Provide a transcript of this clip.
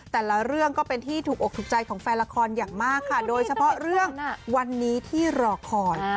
แต่ละเรื่องก็เป็นที่ถูกอกถูกใจของแฟนละครอย่างมากค่ะโดยเฉพาะเรื่องวันนี้ที่รอคอย